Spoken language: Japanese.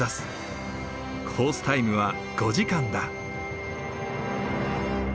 コースタイムは５時間だ。